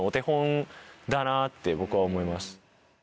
だなって僕は思います。